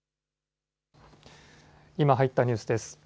今入ったニュースです。